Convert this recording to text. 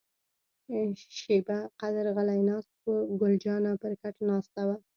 شیبه قدر غلي ناست وو، ګل جانه پر کټ ناسته وه.